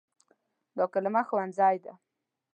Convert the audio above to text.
دا کلمه “ښوونځی” ده.